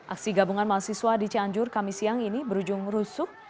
aksi gabungan mahasiswa di cianjur kamis siang berujung rusuk